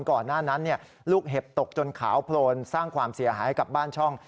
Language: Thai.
ก่อนหน้านั้นลูกเห็บตกจนขาวโพลนสร้างความเสียหายให้กับบ้านช่อง